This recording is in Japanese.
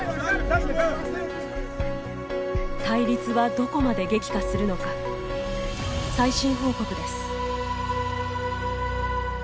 対立はどこまで激化するのか最新報告です。